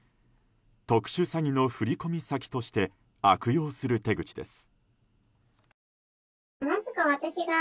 特殊詐欺の振込先として悪用する手口です。